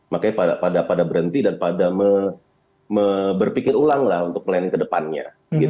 makanya pada berhenti dan pada berpikir ulang lah untuk planning ke depannya